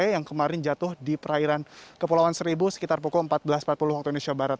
yang kemarin jatuh di perairan kepulauan seribu sekitar pukul empat belas empat puluh waktu indonesia barat